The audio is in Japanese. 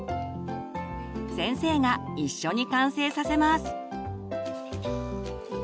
先生が一緒に完成させます。